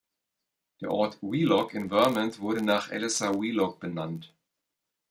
Der Ort Wheelock in Vermont wurde nach Eleazar Wheelock benannt.